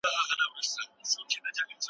په هر حالت کي خپل عزت وساته.